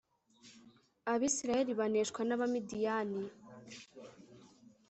Abisirayeli baneshwa n’Abamidiyani